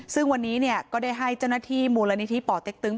ซึ่งวันนี้ก็ได้ให้เจ้าหน้าที่มูลนิธิป่อเต็กตึง